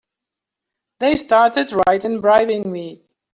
They started right in bribing me!